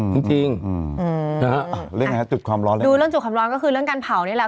จริงจริงอืมนะฮะอ่ะเรื่องไงฮะจุดความร้อนแล้วดูเรื่องจุดความร้อนก็คือเรื่องการเผานี่แหละ